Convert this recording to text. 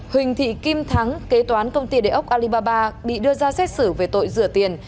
huỳnh thị kim thắng kế toán công ty địa ốc alibaba bị đưa ra xét xử về tội rửa tiền